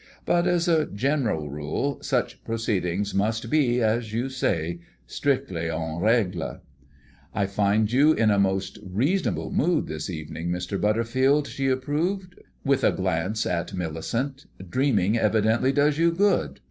But as a general rule such proceedings must be, as you say, strictly en règle." "I find you in a most reasonable mood this evening, Mr. Butterfield," she approved, with a glance at Millicent. "Dreaming evidently does you good.